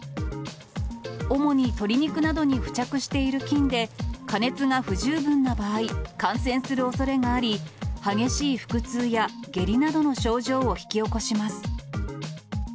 主に鶏肉などに付着している菌で、加熱が不十分な場合、感染するおそれがあり、激しい腹痛や下痢などの症状を引き起こします。